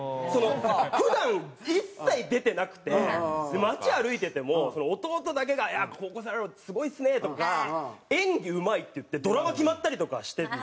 普段一切出てなくて街歩いてても弟だけが「高校生あるあるすごいっすね！」とか演技うまいっていってドラマ決まったりとかしてる。